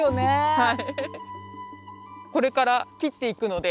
はい！